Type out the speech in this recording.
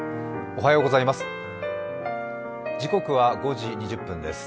おはようございます。